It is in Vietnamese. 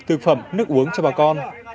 thực phẩm nước uống cho bà con